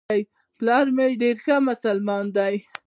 پلار مي ډېر ښه مسلمان دی .